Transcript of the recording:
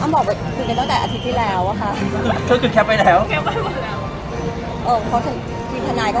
อ้าอมบอกบ่อยคุณก็จากอาทีปแป้เป่อนแล้วอะค่ะ